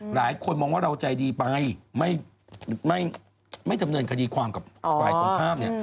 หลายคนมองว่าเราใจดีไปไม่ดำเนินคดีความกับฝ่ายตรงข้ามเนี่ย